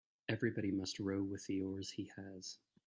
Everybody must row with the oars he has.